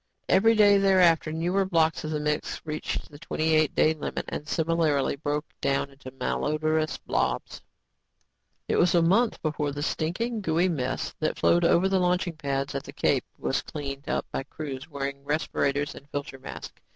Every day thereafter, newer blocks of the mix reached the twenty eight day limit and similarly broke down into malodrous blobs. It was a month before the stinking, gooey mess that flowed over the launching pads at the Cape was cleaned up by crews wearing respirators and filter masks.